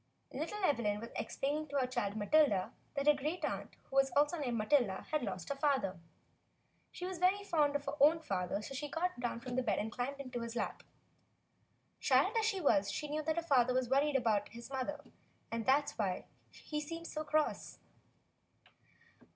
Little Evelyn was explaining to her child Matilda, that her great aunt, who was also named Matilda, had lost her father. She was very fond of her own father, and she got down from the bed and climbed THE LETTER 5 up into his lap. Child as she was she knew that her father was worried about her mother, and that was why he seemed so cross.